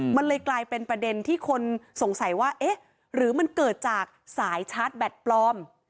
มันเลยกลายเป็นประเด็นที่คนสงสัยว่าเอ๊ะหรือมันเกิดจากสายชาร์จแบตปลอม